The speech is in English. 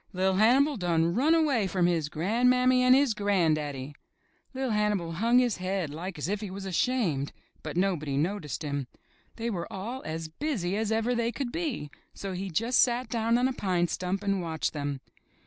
''LiT Hannibal done run away from his gran'mammy and his gran'daddy." Li'r Hannibal hung his head like as if he was ashamed, but nobody noticed him. They were all as busy as ever they could be, so he just sat down on a pine stump and watched them.